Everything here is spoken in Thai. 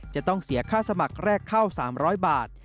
จะต้องเสียค่าสมัครแรกเข้า๓๐๐บาท